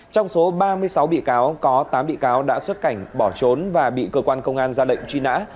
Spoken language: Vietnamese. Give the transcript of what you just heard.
trong số ba mươi sáu bị cáo có tám bị cáo đã xuất cảnh bỏ trốn và bị cơ quan công an ra lệnh truy nã